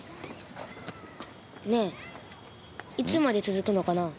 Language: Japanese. ねえいつまで続くのかなあ？